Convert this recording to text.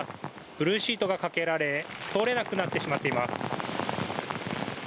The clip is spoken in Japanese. ブルーシートがかけられ通れなくなってしまっています。